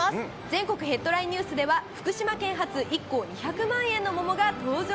全国ヘッドラインニュースでは、福島県発１個２００万円の桃が登場？